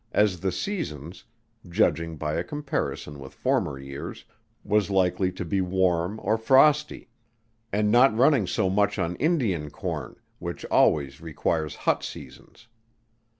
as the seasons, (judging by a comparison with former years) was likely to be warm or frosty; and not running so much on Indian corn, which always requires hot seasons.